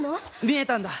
見えたんだ